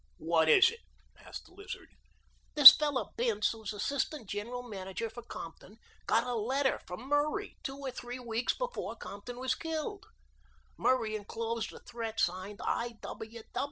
"What is it?" asked the Lizard. "This fellow Bince, who is assistant general manager for Compton, got a letter from Murray two or three weeks before Compton was killed. Murray enclosed a threat signed I.